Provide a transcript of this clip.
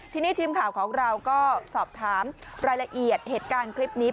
ทีนี้ทีมข่าวของเราก็สอบถามรายละเอียดเหตุการณ์คลิปนี้